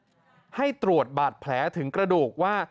ให้ตรวจบาดแผลถึงกระดูกว่า